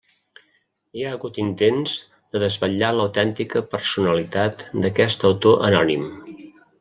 Hi ha hagut intents de desvetllar l'autèntica personalitat d'aquest autor anònim.